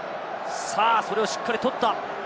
それをしっかり取った。